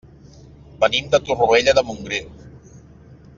Venim de Torroella de Montgrí.